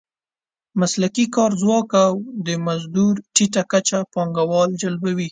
مسلکي کاري ځواک او د مزدور ټیټه کچه پانګوال جلبوي.